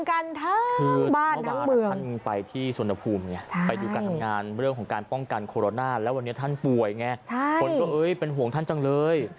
คือท่านไปที่สวนภูมิไงไปดูการทำงานเรื่องของการป้องกันโคโรนาแล้ววันนี้ท่านป่วยไงคนก็เป็นห่วงท่านจังเลย